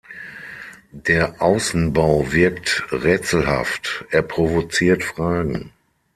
Der Außenbau wirkt rätselhaft, er provoziert Fragen.